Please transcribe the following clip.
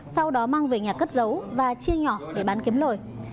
sau đó mang về nhà cất giấu và chia nhỏ để bán kiếm lời